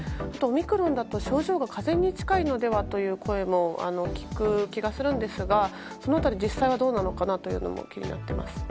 あとオミクロンだと症状が風邪に近いのではという声も聞く気がするんですがその辺り、実際はどうなのかも気になっています。